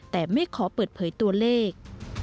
แต่ไม่ขอเปิดเผยตัวเลข